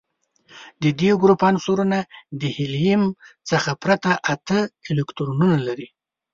د دې ګروپ عنصرونه د هیلیم څخه پرته اته الکترونونه لري.